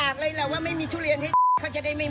เสียงไม่ได้